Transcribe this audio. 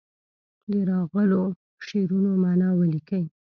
د راغلو شعرونو معنا ولیکي.